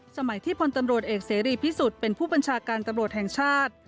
สมัยที่พลตำรวจเอกเสรีพิสุทธิ์เป็นผู้บัญชาการตำรวจแห่งชาติ